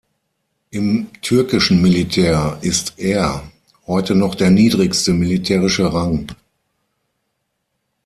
Im türkischen Militär ist "Er" heute noch der niedrigste militärische Rang.